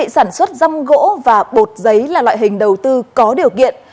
sản xuất răm gỗ và bột giấy là loại hình đầu tư có điều kiện